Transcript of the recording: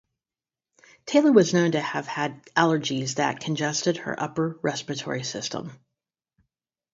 Taylor was known to have had allergies that congested her upper respiratory system.